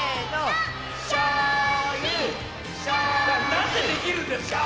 なんでできるんですか？